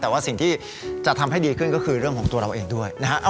แต่ว่าสิ่งที่จะทำให้ดีขึ้นก็คือเรื่องของตัวเราเองด้วยนะฮะ